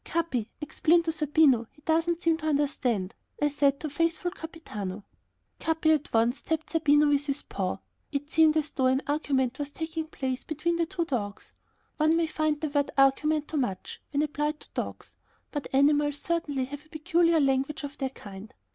"Capi, explain to Zerbino, he doesn't seem to understand," I said to faithful Capitano. Capi at once tapped Zerbino with his paw. It seemed as though an argument was taking place between the two dogs. One may find the word argument too much, when applied to dogs, but animals certainly have a peculiar language of their kind.